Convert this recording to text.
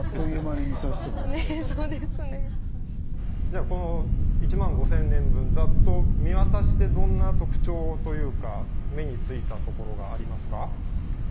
じゃあこの１万５，０００年分ざっと見渡してどんな特徴というか目についた所がありますか？